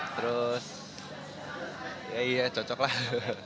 terus ya iya cocok lah